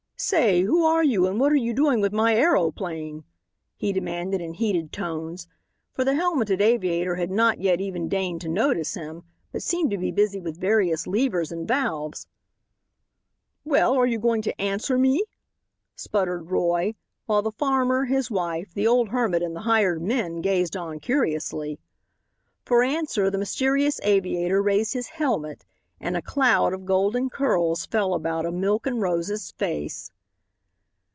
"Say, who are you, and what are you doing with my aeroplane?" he demanded in heated tones, for the helmeted aviator had not yet even deigned to notice him, but seemed to be busy with various levers and valves. "Well, are you going to answer me?" sputtered Roy, while the farmer, his wife, the old hermit and the hired men gazed on curiously. For answer the mysterious aviator raised his helmet and a cloud of golden curls fell about a milk and roses face.